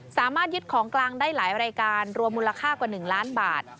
สามารถยึดของกลางได้หลายรายการรวมมูลค่ากว่า๑ล้านบาท